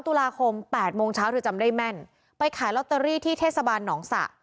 ตุลาคม๘โมงเช้าเธอจำได้แม่นไปขายลอตเตอรี่ที่เทศบาลหนองสะ